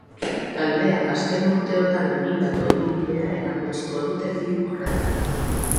Taldeak azken urteotan egindako ibilbidea erakutsiko dute film horretan.